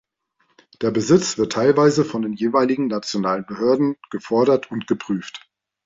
Der Besitz wird teilweise von den jeweiligen nationalen Behörden gefordert und geprüft.